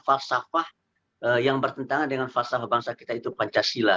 karena falsafah yang bertentangan dengan falsafah bangsa kita itu pancasila